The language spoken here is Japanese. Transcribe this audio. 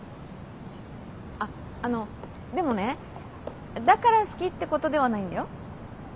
あっあのでもねだから好きってことではないんだよ。